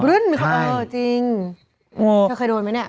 เลื่อนมั้ยครับเออจริงคุณเคยโดนมั้ยเนี่ย